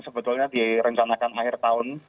sebetulnya direncanakan akhir tahun